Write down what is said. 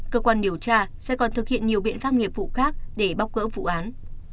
cơ quan điều tra sẽ còn thực hiện nhiều biện pháp nghiệp vụ khác để bóc gỡ vụ án